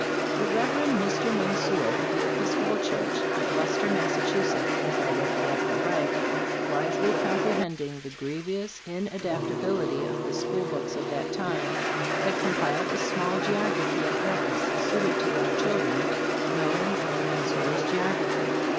The Rev. Mr. Menseur of the Episcopal church of Leicester, Mass., if I recollect aright, wisely compre hending the grievous inadaptability of the school books of that time, had compiled a small geography and atlas suited to young children, known as Menseur's Geography.